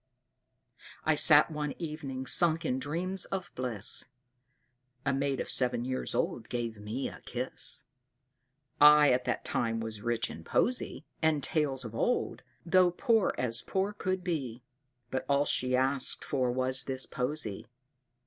"I sat one evening sunk in dreams of bliss, A maid of seven years old gave me a kiss, I at that time was rich in poesy And tales of old, though poor as poor could be; But all she asked for was this poesy.